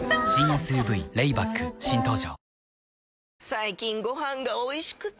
最近ご飯がおいしくて！